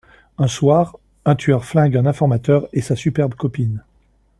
Un soir, un tueur flingue un informateur et sa superbe copine.